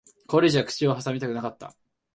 これ以上は口を挟みたくなかった。